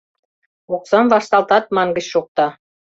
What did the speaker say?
— Оксам вашталтат, мангыч шокта.